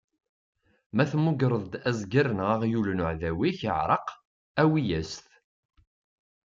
Ma temmugreḍ-d azger neɣ aɣyul n uɛdaw-ik iɛreq, awi-as-t.